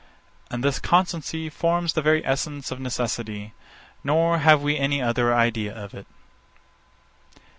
And this constancy forms the very essence of necessity, nor have we any other idea of it.